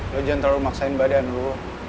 lo jangan terlalu maksain badan lo